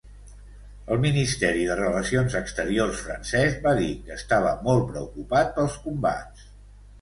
El ministeri de Relacions Exteriors francès va dir que estava molt preocupat pels combats.